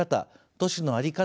都市の在り方